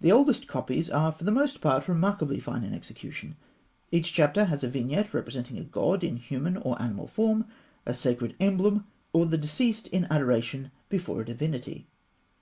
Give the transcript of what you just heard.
The oldest copies are for the most part remarkably fine in execution. Each chapter has its vignette representing a god in human or animal form, a sacred emblem, or the deceased in adoration before a divinity.